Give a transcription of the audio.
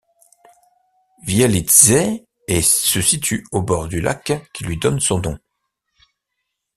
Vielitzsee se situe au bord du lac qui lui donne son nom.